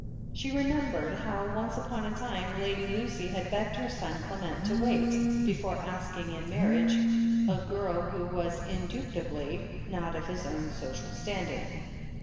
She remembered how, once upon a time, Lady Lucy had. begged her son Clement to wait, before asking in marriage a girl who was indubitably not of his own social standing.